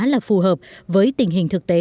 là phù hợp với tình hình thực tế